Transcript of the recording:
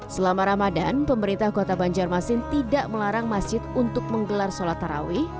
selama ramadan pemerintah kota banjarmasin tidak melarang masjid untuk menggelar sholat tarawih